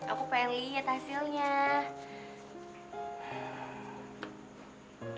aku pengen lihat hasilnya